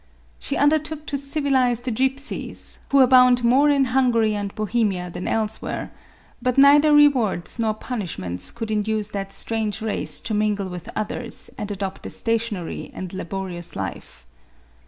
She un dertook to civilize the Gipsies, who abound more in Hungary and Bohemia than elsewhere, but neither re wards nor punishments could induce that strange race to mingle with others and adopt a stationary and labo rious life.